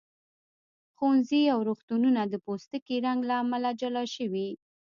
ښوونځي او روغتونونه د پوستکي رنګ له امله جلا شوي.